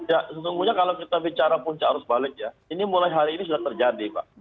ya sesungguhnya kalau kita bicara puncak arus balik ya ini mulai hari ini sudah terjadi pak